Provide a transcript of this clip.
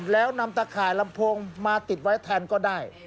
แล้วนำตะข่ายลำโพงมาติดไว้แทนก็ได้